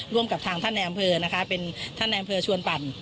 ร่วมกับทางท่านแอมเฟอร์นะคะท่านแอมเฟอร์ชวนปั่น